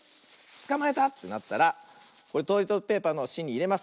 「つかまえた」ってなったらトイレットペーパーのしんにいれます。